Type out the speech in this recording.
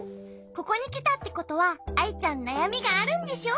ここにきたってことはアイちゃんなやみがあるんでしょ？